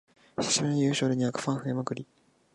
久しぶりの優勝でにわかファン増えまくり